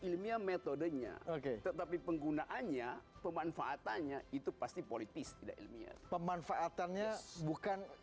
ilmiah metodenya oke tetapi penggunaannya pemanfaatannya itu pasti politis tidak ilmiah pemanfaatannya bukan